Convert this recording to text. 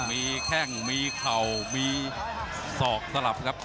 มีแข้งมีเข่ามีศอกสลับครับ